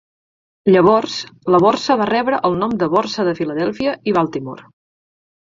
Llavors, la borsa va rebre el nom de Borsa de Filadèlfia i Baltimore.